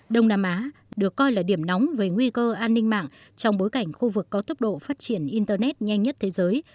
đông nam á được coi là điểm nóng về nguy cơ an ninh mạng trong bối cảnh khu vực có tốc độ phát triển internet nhanh nhất thế giới